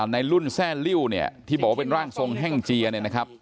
ในรุ่นแซ่ลิ้วเนี่ยที่บอกว่าเป็นร่างทรงแห้งเจียเนี่ยนะครับ